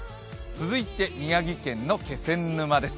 続いて宮城県の気仙沼です。